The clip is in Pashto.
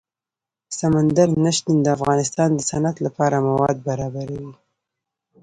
سمندر نه شتون د افغانستان د صنعت لپاره مواد برابروي.